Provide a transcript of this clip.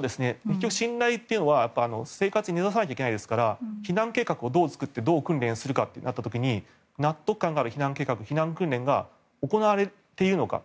結局、信頼というのは生活に根差さないといけないですから避難計画をどう作ってどう訓練するかとなった時に納得感のある避難訓練が行われているのか。